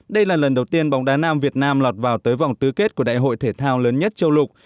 đây là lần đầu tiên bóng đá nam việt nam lọt vào tới vòng tứ kết của đại hội thể thao lớn nhất châu lục